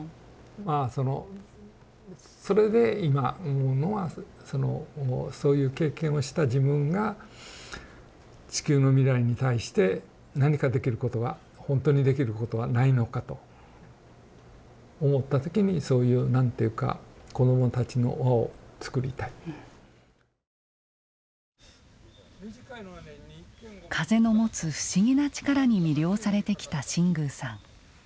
まあそのそれで今思うのはそのそういう経験をした自分が地球の未来に対して何かできることはほんとにできることはないのかと思った時にそういうなんていうか風の持つ不思議なちからに魅了されてきた新宮さん。